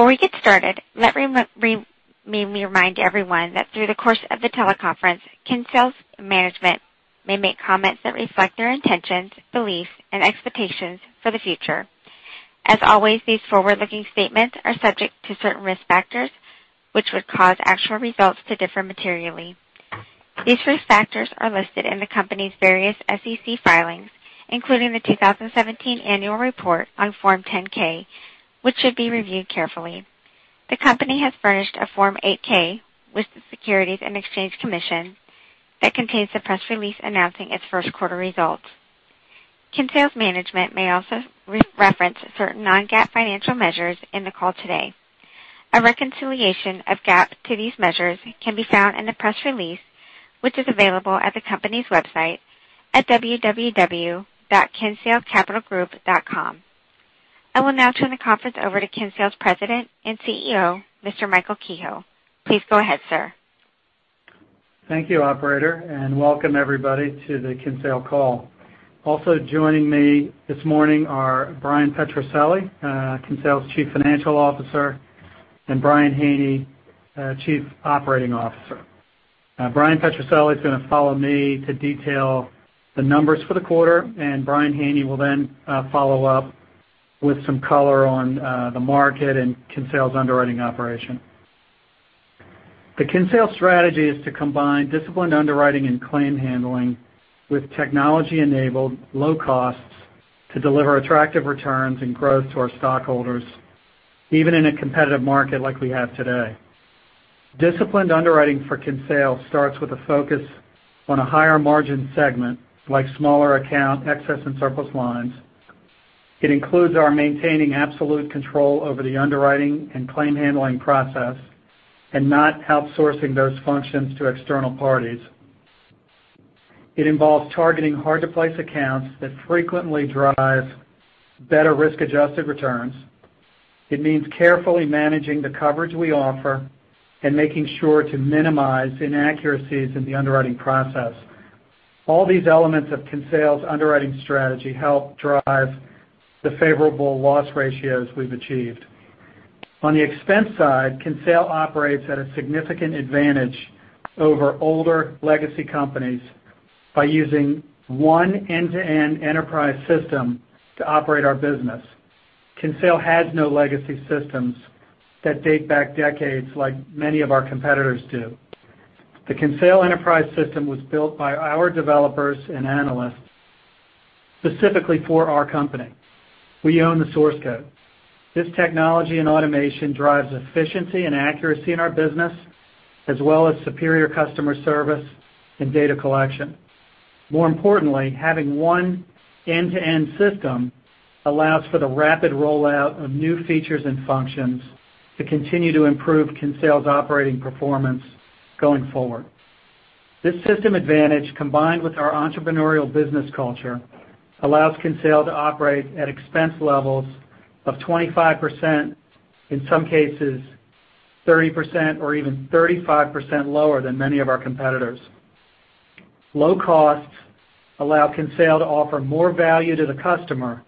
Before we get started, let me remind everyone that through the course of the teleconference, Kinsale's management may make comments that reflect their intentions, beliefs, and expectations for the future. As always, these forward-looking statements are subject to certain risk factors, which would cause actual results to differ materially. These risk factors are listed in the company's various SEC filings, including the 2017 annual report on Form 10-K, which should be reviewed carefully. The company has furnished a Form 8-K with the Securities and Exchange Commission that contains the press release announcing its first quarter results. Kinsale's management may also reference certain non-GAAP financial measures in the call today. A reconciliation of GAAP to these measures can be found in the press release, which is available at the company's website at www.kinsalecapitalgroup.com. I will now turn the conference over to Kinsale's President and CEO, Mr. Michael Kehoe. Please go ahead, sir. Thank you, operator, welcome everybody to the Kinsale call. Also joining me this morning are Bryan Petrucelli, Kinsale's Chief Financial Officer, and Brian Haney, Chief Operating Officer. Bryan Petrucelli is going to follow me to detail the numbers for the quarter. Brian Haney will follow up with some color on the market and Kinsale's underwriting operation. The Kinsale strategy is to combine disciplined underwriting and claim handling with technology-enabled low costs to deliver attractive returns and growth to our stockholders, even in a competitive market like we have today. Disciplined underwriting for Kinsale starts with a focus on a higher margin segment, like smaller account excess and surplus lines. It includes our maintaining absolute control over the underwriting and claim handling process and not outsourcing those functions to external parties. It involves targeting hard-to-place accounts that frequently drive better risk-adjusted returns. It means carefully managing the coverage we offer and making sure to minimize inaccuracies in the underwriting process. All these elements of Kinsale's underwriting strategy help drive the favorable loss ratios we've achieved. On the expense side, Kinsale operates at a significant advantage over older legacy companies by using one end-to-end enterprise system to operate our business. Kinsale has no legacy systems that date back decades like many of our competitors do. The Kinsale enterprise system was built by our developers and analysts specifically for our company. We own the source code. This technology and automation drives efficiency and accuracy in our business, as well as superior customer service and data collection. More importantly, having one end-to-end system allows for the rapid rollout of new features and functions to continue to improve Kinsale's operating performance going forward. This system advantage, combined with our entrepreneurial business culture, allows Kinsale to operate at expense levels of 25%, in some cases 30% or even 35% lower than many of our competitors. Low costs allow Kinsale to offer more value to the customer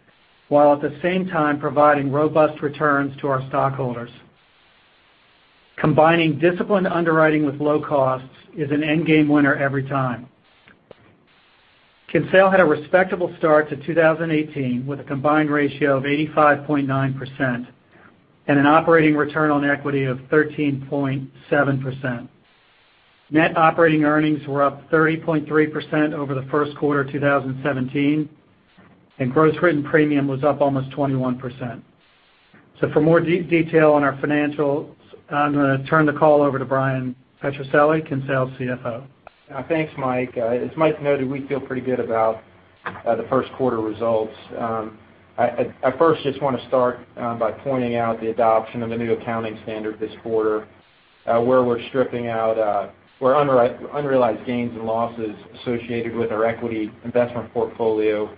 while at the same time providing robust returns to our stockholders. Combining disciplined underwriting with low costs is an end game winner every time. Kinsale had a respectable start to 2018 with a combined ratio of 85.9% and an operating return on equity of 13.7%. Net operating earnings were up 30.3% over the first quarter 2017, and gross written premium was up almost 21%. For more detail on our financials, I'm going to turn the call over to Bryan Petrucelli, Kinsale's CFO. Thanks, Mike. As Mike noted, we feel pretty good about the first quarter results. I first just want to start by pointing out the adoption of the new accounting standard this quarter, where unrealized gains and losses associated with our equity investment portfolio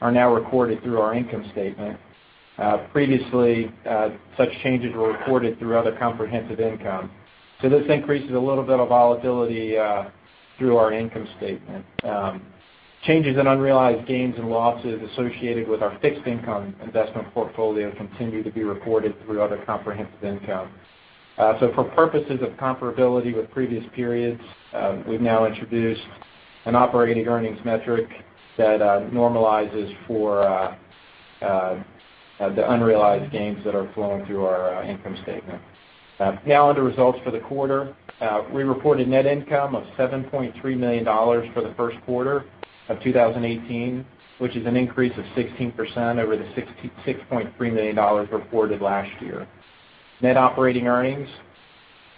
are now recorded through our income statement. Previously, such changes were recorded through other comprehensive income. This increases a little bit of volatility through our income statement. Changes in unrealized gains and losses associated with our fixed income investment portfolio continue to be reported through other comprehensive income. For purposes of comparability with previous periods, we've now introduced an operating earnings metric that normalizes for the unrealized gains that are flowing through our income statement. Now on to results for the quarter. We reported net income of $7.3 million for the first quarter of 2018, which is an increase of 16% over the $6.3 million reported last year. Net operating earnings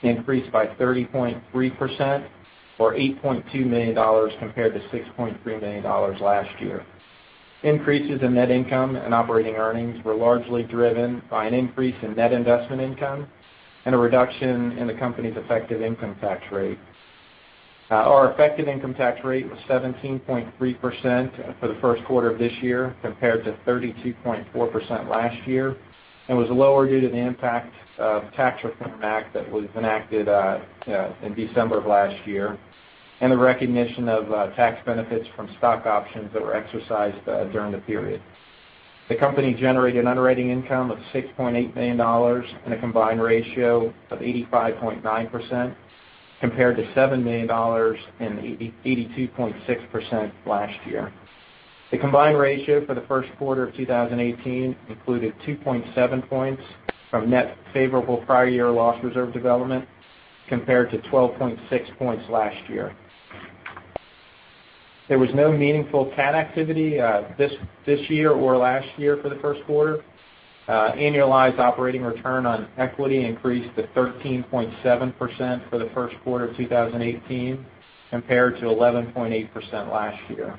increased by 30.3%, or $8.2 million compared to $6.3 million last year. Increases in net income and operating earnings were largely driven by an increase in net investment income and a reduction in the company's effective income tax rate. Our effective income tax rate was 17.3% for the first quarter of this year compared to 32.4% last year, and was lower due to the impact of the Tax Reform Act that was enacted in December of last year and the recognition of tax benefits from stock options that were exercised during the period. The company generated underwriting income of $6.8 million and a combined ratio of 85.9%, compared to $7 million and 82.6% last year. The combined ratio for the first quarter of 2018 included 2.7 points from net favorable prior year loss reserve development, compared to 12.6 points last year. There was no meaningful cat activity this year or last year for the first quarter. Annualized operating return on equity increased to 13.7% for the first quarter of 2018, compared to 11.8% last year.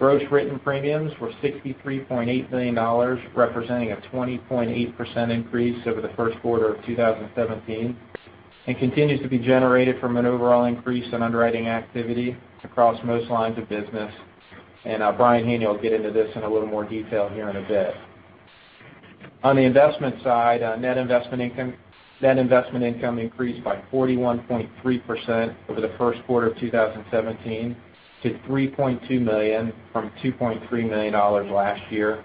Gross written premiums were $63.8 million, representing a 20.8% increase over the first quarter of 2017, and continues to be generated from an overall increase in underwriting activity across most lines of business. Brian Haney will get into this in a little more detail here in a bit. On the investment side, net investment income increased by 41.3% over the first quarter of 2017 to $3.2 million from $2.3 million last year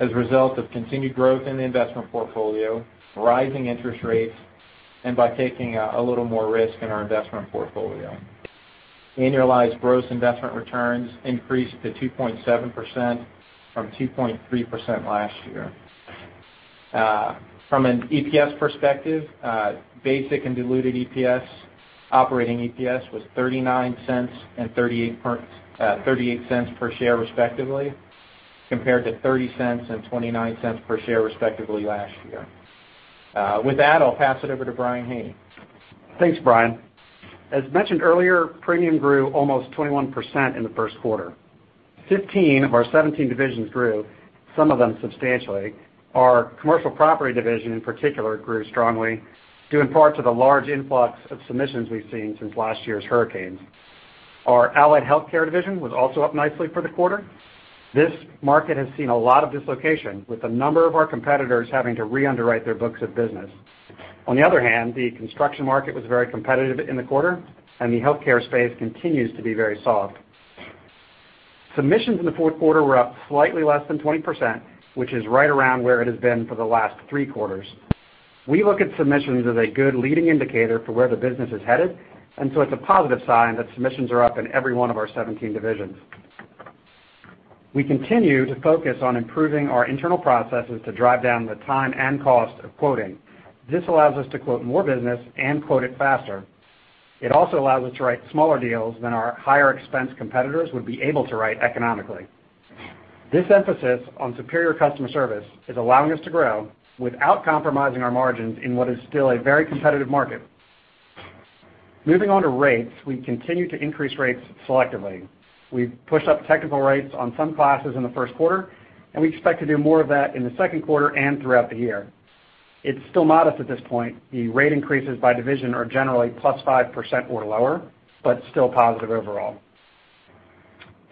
as a result of continued growth in the investment portfolio, rising interest rates, and by taking a little more risk in our investment portfolio. Annualized gross investment returns increased to 2.7% from 2.3% last year. From an EPS perspective, basic and diluted EPS, operating EPS was $0.39 and $0.38 per share respectively, compared to $0.30 and $0.29 per share respectively last year. With that, I'll pass it over to Brian Haney. Thanks, Bryan. As mentioned earlier, premium grew almost 21% in the first quarter. 15 of our 17 divisions grew, some of them substantially. Our commercial property division in particular grew strongly due in part to the large influx of submissions we've seen since last year's hurricanes. Our allied healthcare division was also up nicely for the quarter. This market has seen a lot of dislocation, with a number of our competitors having to re-underwrite their books of business. On the other hand, the construction market was very competitive in the quarter, and the healthcare space continues to be very soft. Submissions in the fourth quarter were up slightly less than 20%, which is right around where it has been for the last three quarters. We look at submissions as a good leading indicator for where the business is headed, it's a positive sign that submissions are up in every one of our 17 divisions. We continue to focus on improving our internal processes to drive down the time and cost of quoting. This allows us to quote more business and quote it faster. It also allows us to write smaller deals than our higher expense competitors would be able to write economically. This emphasis on superior customer service is allowing us to grow without compromising our margins in what is still a very competitive market. Moving on to rates, we continue to increase rates selectively. We've pushed up technical rates on some classes in the first quarter, and we expect to do more of that in the second quarter and throughout the year. It's still modest at this point. The rate increases by division are generally +5% or lower, still positive overall.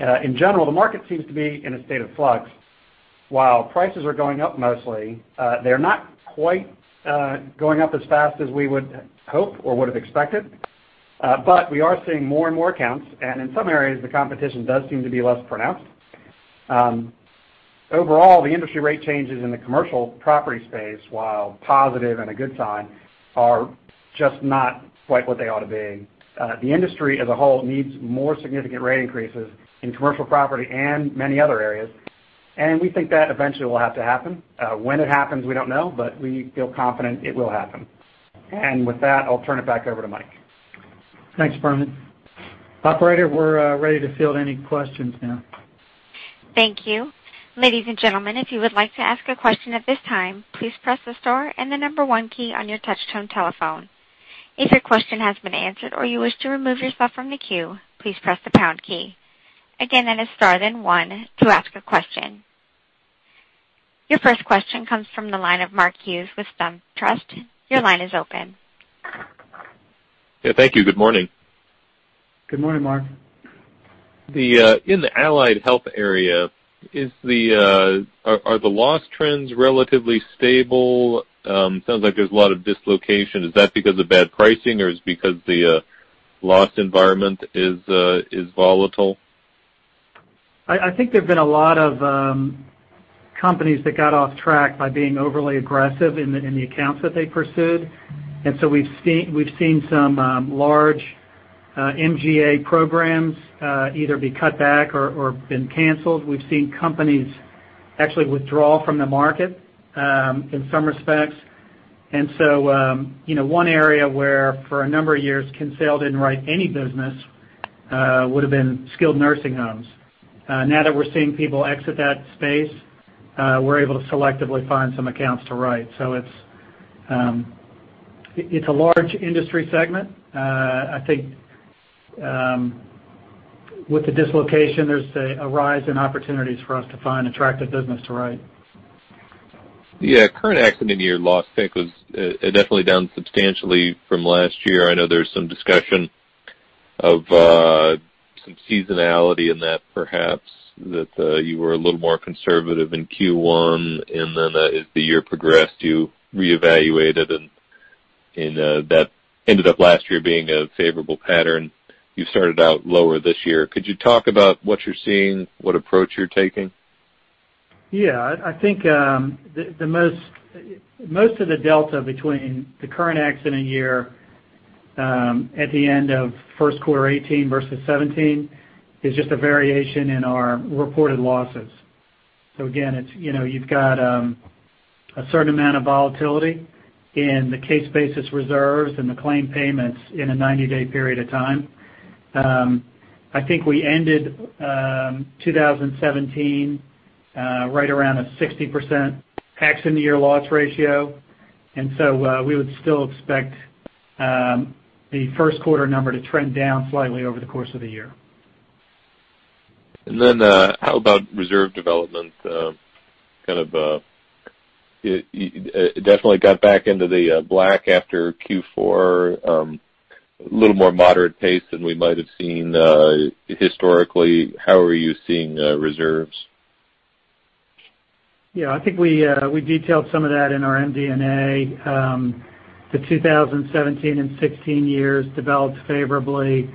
In general, the market seems to be in a state of flux. While prices are going up mostly, they're not quite going up as fast as we would hope or would have expected. We are seeing more and more accounts, and in some areas, the competition does seem to be less pronounced. Overall, the industry rate changes in the commercial property space, while positive and a good sign, are just not quite what they ought to be. The industry as a whole needs more significant rate increases in commercial property and many other areas, we think that eventually will have to happen. When it happens, we don't know, but we feel confident it will happen. With that, I'll turn it back over to Mike. Thanks, Brian. Operator, we're ready to field any questions now. Thank you. Ladies and gentlemen, if you would like to ask a question at this time, please press the star and the number one key on your touch tone telephone. If your question has been answered or you wish to remove yourself from the queue, please press the pound key. Again, that is star then one to ask a question. Your first question comes from the line of Mark Hughes with SunTrust. Your line is open. Yeah, thank you. Good morning. Good morning, Mark. In the allied healthcare area, are the loss trends relatively stable? Sounds like there's a lot of dislocation. Is that because of bad pricing or is it because the loss environment is volatile? I think there've been a lot of companies that got off track by being overly aggressive in the accounts that they pursued. We've seen some large MGA programs either be cut back or been canceled. We've seen companies actually withdraw from the market in some respects. One area where for a number of years Kinsale didn't write any business, would've been skilled nursing homes. Now that we're seeing people exit that space, we're able to selectively find some accounts to write. It's a large industry segment. I think with the dislocation, there's a rise in opportunities for us to find attractive business to write. Yeah. Current accident year loss pick was definitely down substantially from last year. I know there was some discussion of some seasonality in that perhaps that you were a little more conservative in Q1. As the year progressed, you reevaluated. That ended up last year being a favorable pattern. You started out lower this year. Could you talk about what you're seeing, what approach you're taking? Yeah, I think most of the delta between the current accident year, at the end of first quarter 2018 versus 2017 is just a variation in our reported losses. Again, you've got a certain amount of volatility in the case basis reserves and the claim payments in a 90-day period of time. I think we ended 2017 right around a 60% accident year loss ratio. We would still expect the first quarter number to trend down slightly over the course of the year. How about reserve development? It definitely got back into the black after Q4, a little more moderate pace than we might have seen historically. How are you seeing reserves? Yeah, I think we detailed some of that in our MD&A. The 2017 and 2016 years developed favorably.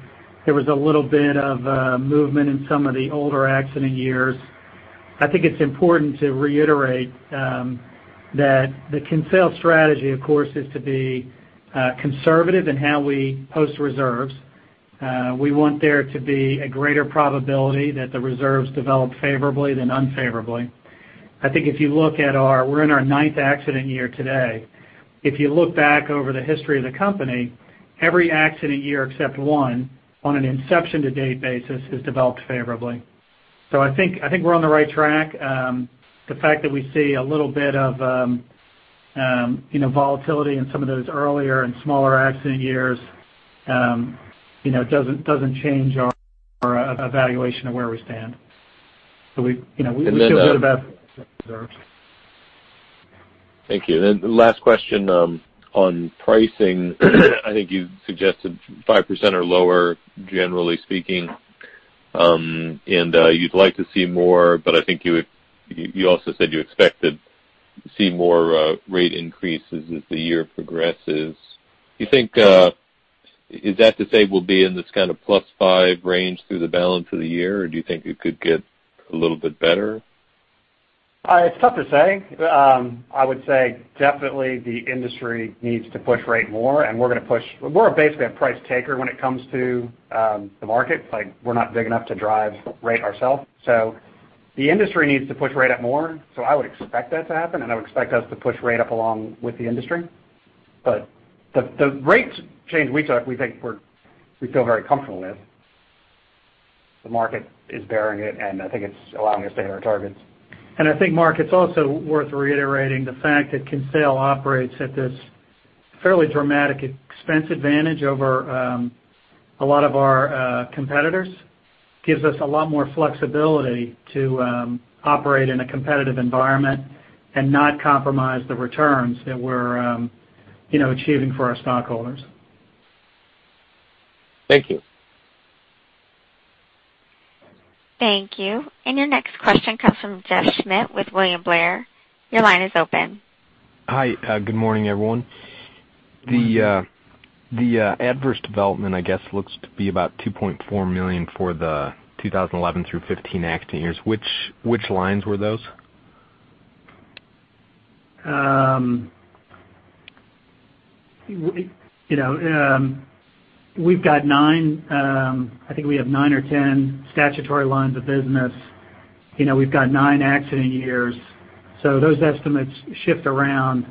There was a little bit of movement in some of the older accident years. I think it's important to reiterate that the Kinsale strategy, of course, is to be conservative in how we post reserves. We want there to be a greater probability that the reserves develop favorably than unfavorably. I think if you look at our, we're in our ninth accident year today, if you look back over the history of the company, every accident year except one, on an inception to date basis, has developed favorably. I think we're on the right track. The fact that we see a little bit of volatility in some of those earlier and smaller accident years, doesn't change our evaluation of where we stand. We feel good about the reserves. And then- feel good about the reserves. Thank you. Last question, on pricing, I think you suggested 5% or lower, generally speaking, and you'd like to see more, but I think you also said you expect to see more rate increases as the year progresses. Do you think, is that to say we'll be in this kind of plus 5 range through the balance of the year, or do you think it could get a little bit better? It's tough to say. I would say definitely the industry needs to push rate more, we're going to push. We're basically a price taker when it comes to the market. We're not big enough to drive rate ourselves. The industry needs to push rate up more. I would expect that to happen, and I would expect us to push rate up along with the industry. The rate change we took, we feel very comfortable with. The market is bearing it, I think it's allowing us to hit our targets. I think, Mark, it's also worth reiterating the fact that Kinsale operates at this fairly dramatic expense advantage over a lot of our competitors. Gives us a lot more flexibility to operate in a competitive environment and not compromise the returns that we're achieving for our stockholders. Thank you. Thank you. Your next question comes from Jeff Schmitt with William Blair. Your line is open. Hi, good morning everyone. Good morning. The adverse development, I guess looks to be about $2.4 million for the 2011 through 2015 accident years. Which lines were those? We've got nine, I think we have nine or 10 statutory lines of business. We've got nine accident years. Those estimates shift around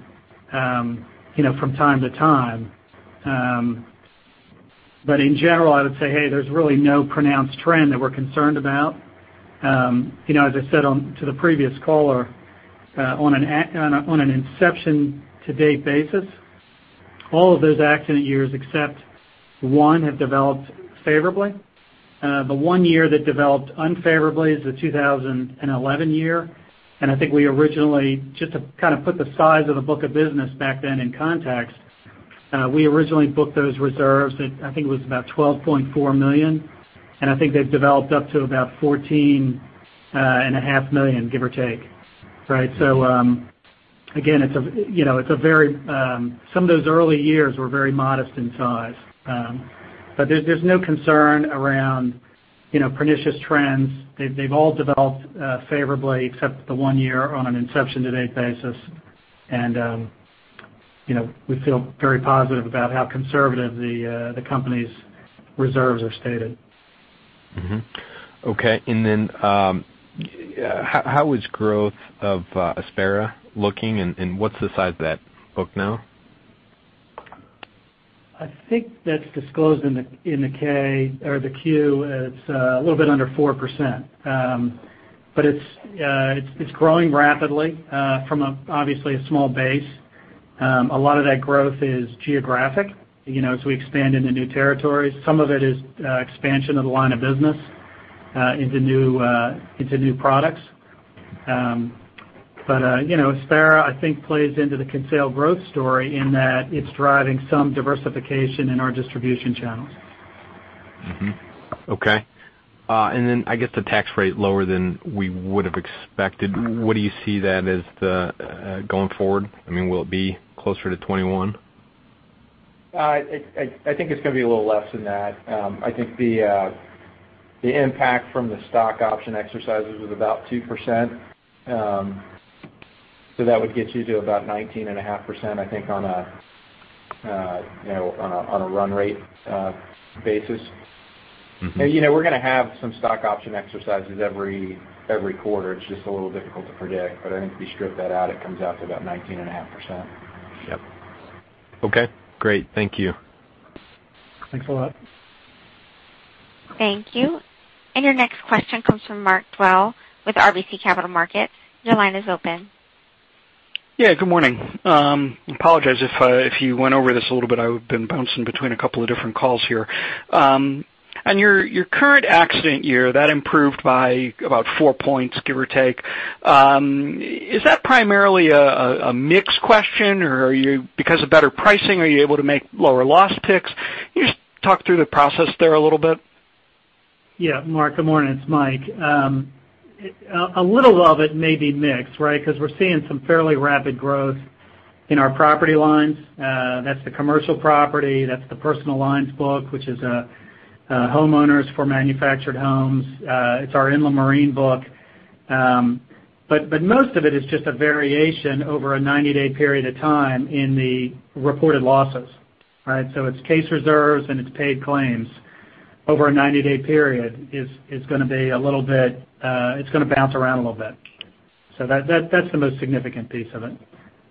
from time to time. In general, I would say, hey, there's really no pronounced trend that we're concerned about. As I said to the previous caller, on an inception to date basis, all of those accident years except one have developed favorably. The one year that developed unfavorably is the 2011 year, and I think we originally, just to kind of put the size of the book of business back then in context, we originally booked those reserves at, I think it was about $12.4 million, and I think they've developed up to about $14 and a half million, give or take. Right. Again, some of those early years were very modest in size. There's no concern around pernicious trends. They've all developed favorably except the one year on an inception to date basis. We feel very positive about how conservative the company's reserves are stated. Okay. How is growth of Aspera looking, and what's the size of that book now? I think that's disclosed in the Q. It's a little bit under 4%. It's growing rapidly, from obviously a small base. A lot of that growth is geographic, as we expand into new territories. Some of it is expansion of the line of business into new products. Aspera, I think, plays into the Kinsale growth story in that it's driving some diversification in our distribution channels. Mm-hmm. Okay. I guess the tax rate lower than we would've expected. What do you see that as going forward? Will it be closer to 21? I think it's going to be a little less than that. I think the impact from the stock option exercises was about 2%. That would get you to about 19.5%, I think, on a run rate basis. We're going to have some stock option exercises every quarter. It's just a little difficult to predict, but I think if you strip that out, it comes out to about 19.5%. Yep. Okay, great. Thank you. Thanks a lot. Thank you. Your next question comes from Mark Dwelle with RBC Capital Markets. Your line is open. Yeah, good morning. Apologize if you went over this a little bit, I've been bouncing between a couple of different calls here. On your current accident year, that improved by about four points, give or take. Is that primarily a mix question, or because of better pricing, are you able to make lower loss picks? Can you just talk through the process there a little bit? Yeah. Mark, good morning. It's Mike. A little of it may be mix, right? We're seeing some fairly rapid growth in our property lines. That's the commercial property, that's the personal lines book, which is homeowners for manufactured homes. It's our inland marine book. Most of it is just a variation over a 90-day period of time in the reported losses, right? It's case reserves and it's paid claims over a 90-day period is going to bounce around a little bit. That's the most significant piece of it.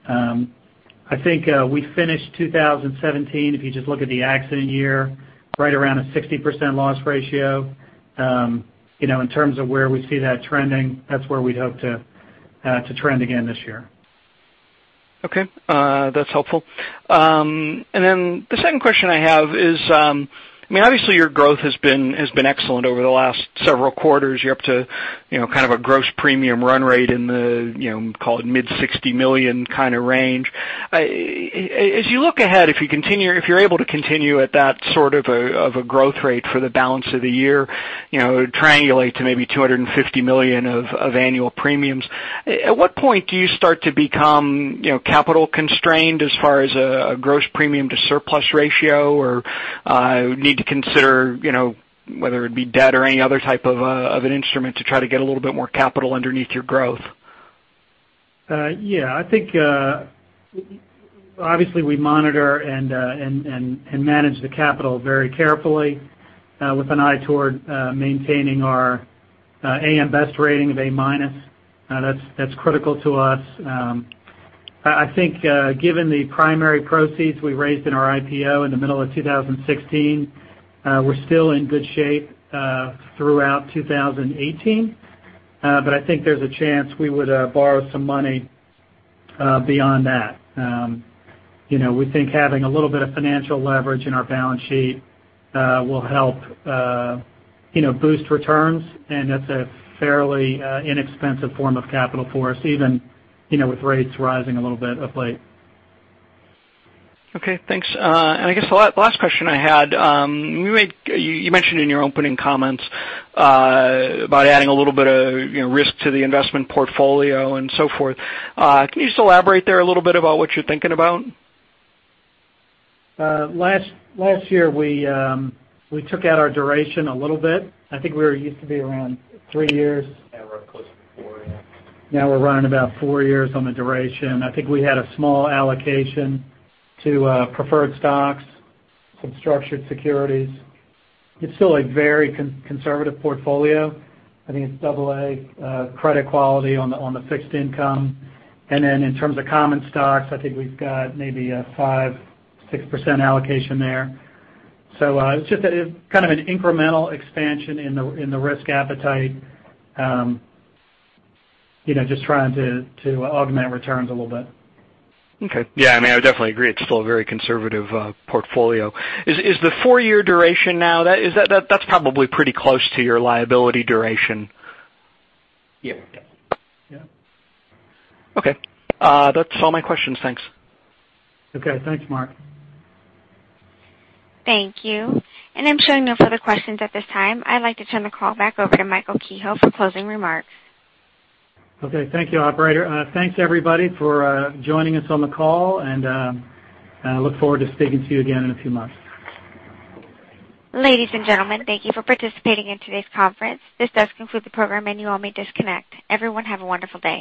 I think we finished 2017, if you just look at the accident year, right around a 60% loss ratio. In terms of where we see that trending, that's where we'd hope to trend again this year. Okay. That's helpful. The second question I have is, obviously your growth has been excellent over the last several quarters. You're up to kind of a gross premium run rate in the, call it, mid $60 million kind of range. As you look ahead, if you're able to continue at that sort of a growth rate for the balance of the year, it would triangulate to maybe $250 million of annual premiums. At what point do you start to become capital constrained as far as a gross premium to surplus ratio or need to consider whether it be debt or any other type of an instrument to try to get a little bit more capital underneath your growth? I think, obviously we monitor and manage the capital very carefully, with an eye toward maintaining our AM Best rating of A minus. That's critical to us. I think, given the primary proceeds we raised in our IPO in the middle of 2016, we're still in good shape, throughout 2018. I think there's a chance we would borrow some money beyond that. We think having a little bit of financial leverage in our balance sheet will help boost returns, and that's a fairly inexpensive form of capital for us, even with rates rising a little bit of late. Okay, thanks. I guess the last question I had, you mentioned in your opening comments about adding a little bit of risk to the investment portfolio and so forth. Can you just elaborate there a little bit about what you're thinking about? Last year, we took out our duration a little bit. I think we used to be around three years. Yeah, we're closer to four now. Now we're running about four years on the duration. I think we had a small allocation to preferred stocks, some structured securities. It's still a very conservative portfolio. I think it's double A credit quality on the fixed income. In terms of common stocks, I think we've got maybe a 5%, 6% allocation there. It's just that it's kind of an incremental expansion in the risk appetite, just trying to augment returns a little bit. Okay. Yeah, I definitely agree. It's still a very conservative portfolio. Is the four-year duration now, that's probably pretty close to your liability duration? Yeah. Yeah. Okay. That's all my questions. Thanks. Okay. Thanks, Mark. Thank you. I'm showing no further questions at this time. I'd like to turn the call back over to Michael Kehoe for closing remarks. Okay. Thank you, operator. Thanks everybody for joining us on the call, and I look forward to speaking to you again in a few months. Ladies and gentlemen, thank you for participating in today's conference. This does conclude the program, and you all may disconnect. Everyone have a wonderful day.